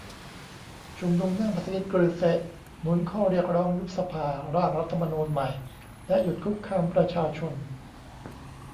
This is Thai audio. ชุมนุมหน้ามัสยิดกรือเซะ หนุนข้อเรียกร้อง ยุบสภา ร่างรัฐธรรมนูญใหม่ และ หยุดคุกคามประชาชน